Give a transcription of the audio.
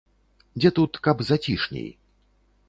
Дзе тут каб зацішней.